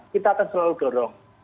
kita akan selalu dorong